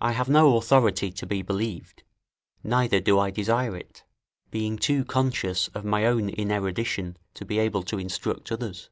I have no authority to be believed, neither do I desire it, being too conscious of my own inerudition to be able to instruct others.